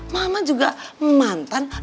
mama juga mantan model